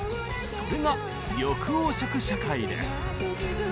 それが緑黄色社会です。